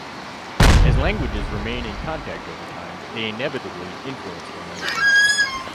As languages remain in contact over time, they inevitably influence one another.